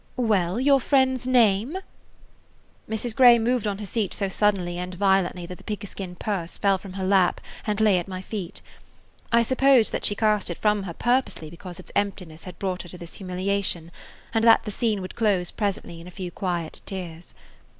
"Well, your friend's name–" Mrs. Grey moved on her seat so suddenly and violently that the pigskin purse fell from her lap and lay at my feet. I supposed that she cast it from her purposely because its emptiness had brought her to this humiliation, and that the scene would close presently in a few quiet tears.